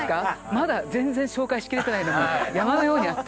まだ全然紹介しきれてないのが山のようにあって。